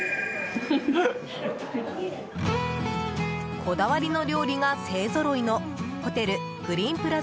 こだわりの料理が勢ぞろいのホテルグリーンプラザ